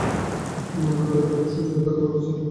নমরূদের নিকট সঞ্চিত খাদ্য ভাণ্ডার ছিল।